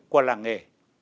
của làng nghề